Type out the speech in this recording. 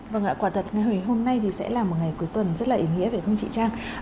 vâng ạ quả thật ngày hôm nay thì sẽ là một ngày cuối tuần rất là ý nghĩa về không chị trang